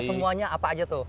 semuanya apa aja tuh